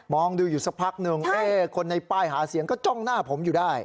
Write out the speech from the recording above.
ดูอยู่สักพักหนึ่งคนในป้ายหาเสียงก็จ้องหน้าผมอยู่ได้